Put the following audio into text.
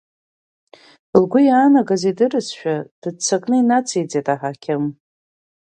Лгәы иаанагаз идырызшәа дыццакны инациҵеит аҳақьым.